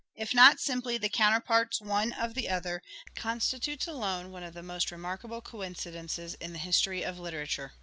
if not simply the counterparts one of the other, con stitutes alone one of the most remarkable coincidences in the history of literature.